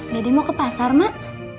mau ke pasar mak